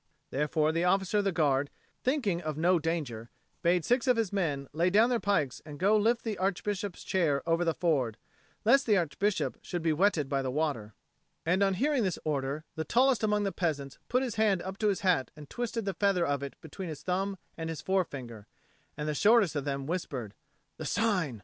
Therefore the officer of the Guard, thinking of no danger, bade six of his men lay down their pikes and go lift the Archbishop's chair over the ford, lest the Archbishop should be wetted by the water. And on hearing this order, the tallest among the peasants put his hand up to his hat and twisted the feather of it between his thumb and his forefinger: and the shortest of them whispered, "The sign!